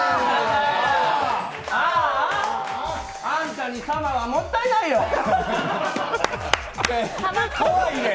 あんたに様はもったいないよ！